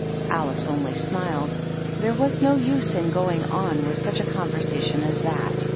Alice only smiled. There was no use in going on with such a conversation as that.